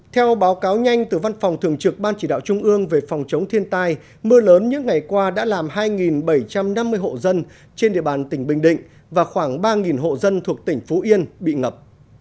theo báo cáo nhanh từ văn phòng thường trực ban chỉ đạo trung ương về phòng chống thiên tai mưa lớn những ngày qua đã làm hai bảy trăm năm mươi hộ dân trên địa bàn tỉnh bình định và khoảng ba hộ dân thuộc tỉnh phú yên bị ngập